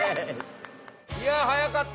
いやはやかった！